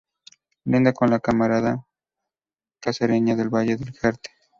Linda con la comarca cacereña del Valle del Jerte.